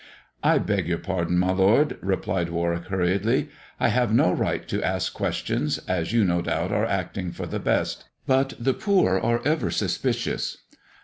" I beg your pardon, my lord," replied Warwick hurriedly. " I have no right to ask questions, as you no doubt are acting for the best. But the poor are ever suspicious."